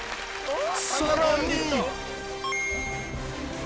さらに。